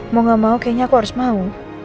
mau gak mau kayaknya aku harus mau